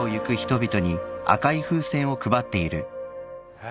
はい。